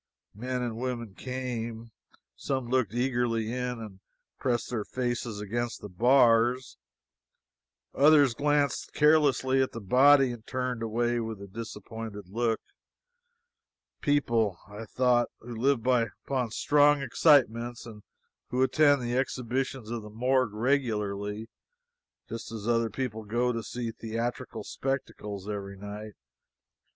Men and women came, and some looked eagerly in and pressed their faces against the bars; others glanced carelessly at the body and turned away with a disappointed look people, I thought, who live upon strong excitements and who attend the exhibitions of the Morgue regularly, just as other people go to see theatrical spectacles every night.